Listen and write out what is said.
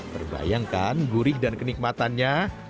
berbayangkan gurih dan kenikmatannya